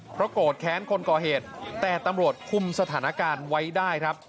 เพราะโกรธแค้นคนก่อเหตุแต่ตำรวจคุมสถานการณ์ไว้ได้ครับ